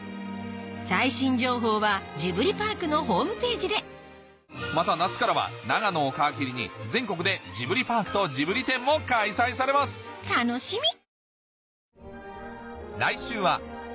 最新情報はジブリパークのホームページでまた夏からは長野を皮切りに全国でジブリパークとジブリ展も開催されます楽しみ！